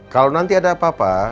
kalau nanti ada apa apa